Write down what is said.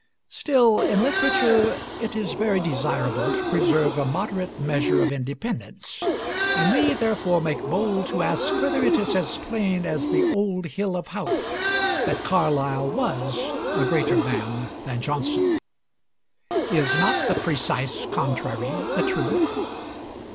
Still, in literature it is very desirable to preserve a moderate measure of independence, and we therefore make bold to ask whether it is as plain as the "old hill of Howth" that Carlyle was a greater man than Johnson? Is not the precise contrary the truth?